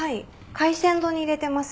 海鮮丼に入れてます